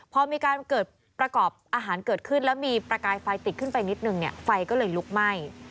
พอมีการเกิดประกอบอาหารเกิดขึ้นแล้วมีประกายไฟติดขึ้นไปนิดนึงเนี่ยไฟก็เลยลุกไหม้